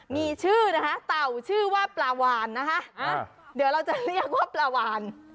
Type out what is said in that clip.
มีชื่อนะคะเต่าชื่อว่าปลาวานนะคะเดี๋ยวเราจะเรียกว่าปลาวาน